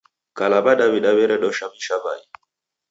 Kala W'adaw'ida weredoshamisha w'ai.